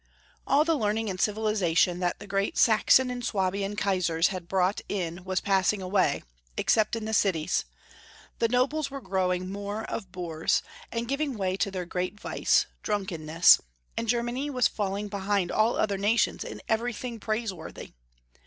All the learning and civilization that the great Saxon and Swabian Kaisars had brought in was passing away, except in the cities. The nobles were growing more of boors, and giving way to their great vice — drunkenness, and Germany was falling behind all other nations in everything praise worthy.